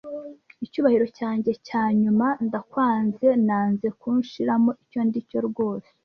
Icyubahiro cyanjye cyanyuma ndakwanze, nanze kunshiramo icyo ndi cyo rwose,